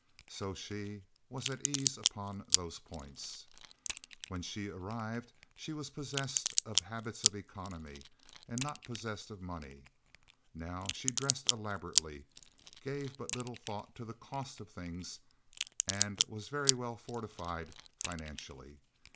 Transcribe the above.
So she was at ease upon those points. When she arrived, she was possessed of habits of economy and not possessed of money; now she dressed elaborately, gave but little thought to the cost of things, and was very well fortified financially.